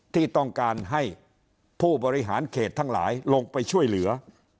ที่ต้องการให้ผู้บริหารเขตทั้งหลายลงไปช่วยเหลือ